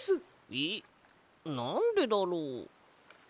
えっなんでだろう？